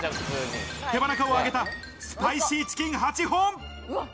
手羽中を揚げたスパイシーチキン８本。